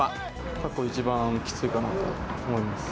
過去一番きついかなと思います。